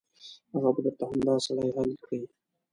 هغه به درته همدا سړی حل کړي.